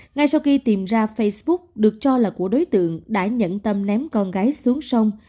ngay sau khi tìm ra facebook được cho là của đối tượng đã nhận tâm ném con gái xuống sông